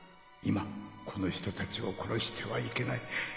今この人たちを殺してはいけない。